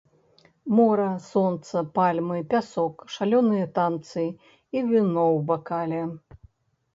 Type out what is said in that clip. Мора, сонца, пальмы, пясок, шалёныя танцы і віно ў бакале.